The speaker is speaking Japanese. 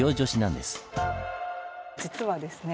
実はですね